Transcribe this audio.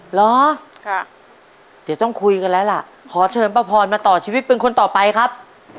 เหรอค่ะเดี๋ยวต้องคุยกันแล้วล่ะขอเชิญป้าพรมาต่อชีวิตเป็นคนต่อไปครับ